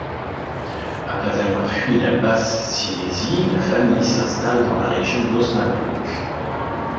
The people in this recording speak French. Après avoir fui la Basse-Silésie, la famille s'installe dans la région d'Osnabrück.